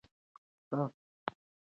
څه شی د جګړې برخلیک ته بدلون ورکړ؟